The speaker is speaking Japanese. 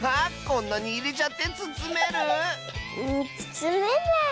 こんなにいれちゃってつつめる⁉つつめない。